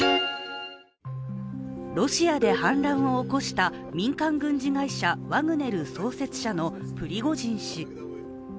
ロシアで反乱を起こした民間軍事会社、ワグネル創設者のプリゴジン氏。